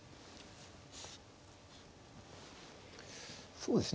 そうですね。